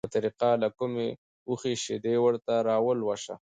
په طریقه له کومې اوښې شیدې ورته راولوشه،